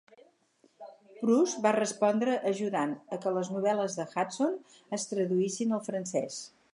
Proust va respondre ajudant a que les novel·les de Hudson es traduïssin al francès.